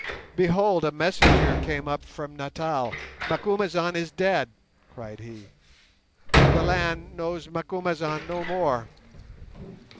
Behold! a messenger came up from Natal, 'Macumazahn is dead!' cried he. 'The land knows Macumazahn no more.